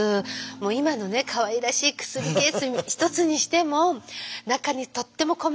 今のかわいらしい薬ケース一つにしても中にとっても細かく字でね。